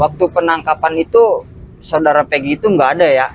waktu penangkapan itu saudara pegi itu nggak ada ya